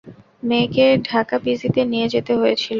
মেয়েকে ঢাকা পিজিতে নিয়ে যেতে হয়েছিল।